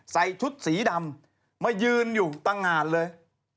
ใส่ชุดสีดำมายืนอยู่ตะงานเลย